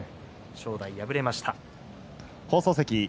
正代、敗れました。